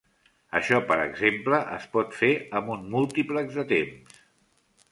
Això per exemple es pot fer amb un múltiplex de temps.